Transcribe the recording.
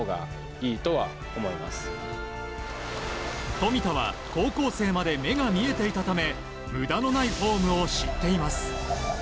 富田は高校生まで目が見えていたため無駄のないフォームを知っています。